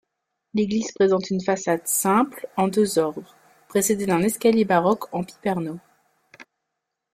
L'église présente une façade simple en deux ordres, précédée d'un escalier baroque en piperno.